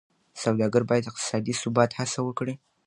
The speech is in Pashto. سوداګر باید د اقتصادي ثبات هڅه وکړي.